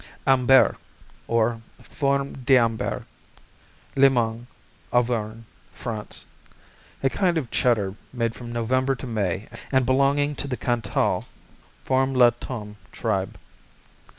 Ambert, or Fourme d'Ambert Limagne, Auvergne, France A kind of Cheddar made from November to May and belonging to the Cantal Fourme La Tome tribe.